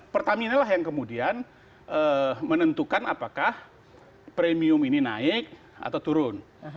pertamina lah yang kemudian menentukan apakah premium ini naik atau turun